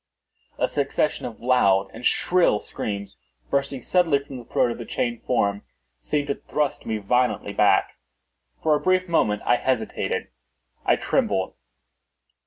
A succession of loud and shrill screams, bursting suddenly from the throat of the chained form, seemed to thrust me violently back. For a brief moment I hesitated—I trembled.